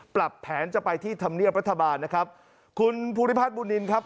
ปรับแผนจะไปที่ธรรมเนียบรัฐบาลนะครับคุณภูริพัฒนบุญนินครับ